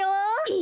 え